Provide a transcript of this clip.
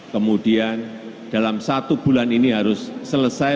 kemudian dalam satu bulan ini harus selesai